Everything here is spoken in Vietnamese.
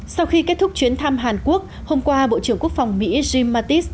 sau khi kết thúc chuyến thăm hàn quốc hôm qua bộ trưởng quốc phòng mỹ jim mattis